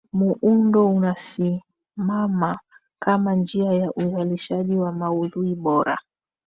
muundo unasimama kama njia ya uzalishaji wa maudhui bora